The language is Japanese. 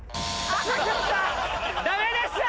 ダメでした！